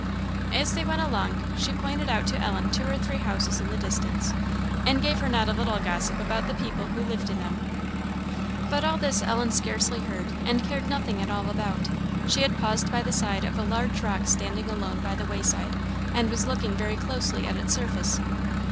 As they went along, she pointed out to Ellen two or three houses in the distance, and gave her not a little gossip about the people who lived in them; but all this Ellen scarcely heard, and cared nothing at all about. She had paused by the side of a large rock standing alone by the wayside, and was looking very closely at its surface.